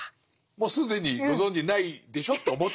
もう既に「ご存じないでしょ？」と思ってるでしょう？